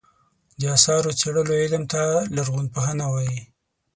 د اثارو څېړلو علم ته لرغونپوهنه وایې.